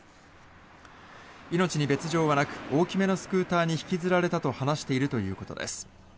命に別条はなく大きめのスクーターに引きずられたと話しているということです。